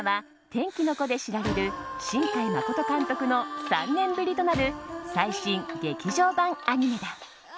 「天気の子」で知られる新海誠監督の３年ぶりとなる最新劇場版アニメだ。